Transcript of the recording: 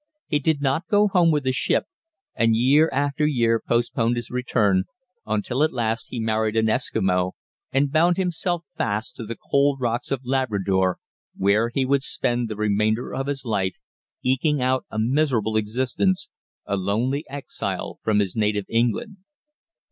He did not go home with his ship, and year after year postponed his return, until at last he married an Eskimo and bound himself fast to the cold rocks of Labrador, where he will spend the remainder of his life, eking out a miserable existence, a lonely exile from his native England.